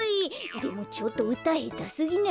でもちょっとうたへたすぎない？